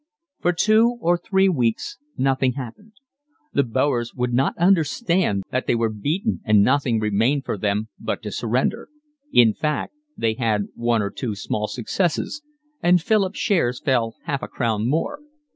For two or three weeks nothing happened; the Boers would not understand that they were beaten and nothing remained for them but to surrender: in fact they had one or two small successes, and Philip's shares fell half a crown more.